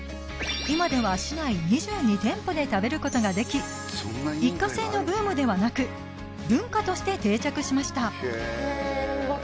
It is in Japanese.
今では市内２２店舗で食べることができ一過性のブームではなく文化として定着しました